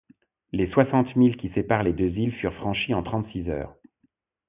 Les soixante milles qui séparent les deux îles furent franchis en trente-six heures.